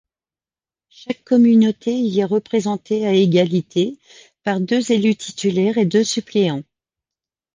Chaque communauté y est représentée à égalité par deux élus titulaires et deux suppléants.